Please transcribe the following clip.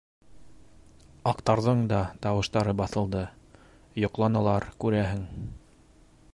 Аҡтарҙың да тауыштары баҫылды, йоҡланылар, күрәһең.